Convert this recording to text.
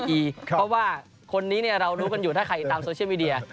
เพราะว่าคนนี้เรารู้กันอยู่ถ้าใครติดตามโซเชียลมีเดีย